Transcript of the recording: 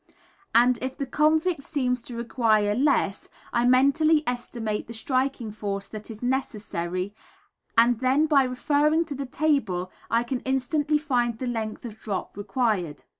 and if the convict seems to require less, I mentally estimate the striking force that is necessary, and then by referring to the table I can instantly find the length of drop required.